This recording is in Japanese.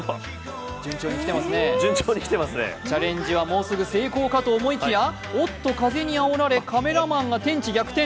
チャレンジはもうすぐ成功かと思いきやおっと、風にあおられカメラマンが天地逆転。